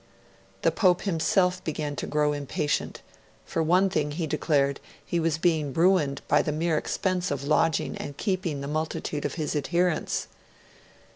The Pope himself began to grow impatient; for one thing, he declared, he was being ruined by the mere expense of lodging and keeping the multitude of his adherents.